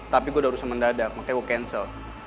tapi gue udah urus sama dada makanya gue cancel